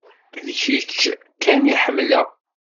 D kečč kan i ḥemmleɣ.